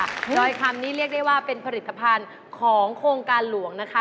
รอยคำนี้เรียกได้ว่าเป็นผลิตภัณฑ์ของโครงการหลวงนะคะ